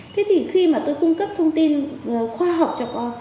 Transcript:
thế thì khi mà tôi cung cấp thông tin khoa học cho con